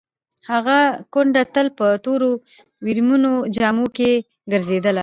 هغه کونډه تل په تورو ویرمنو جامو کې ګرځېدله.